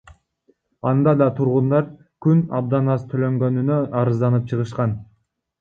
Анда да тургундар кун абдан аз төлөнгөнүнө арызданып чыгышкан.